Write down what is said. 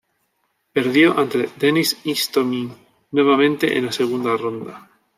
Perdió ante Denis Istomin, nuevamente en la segunda ronda.